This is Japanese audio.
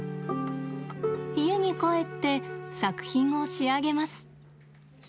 家に帰って作品を仕上げます。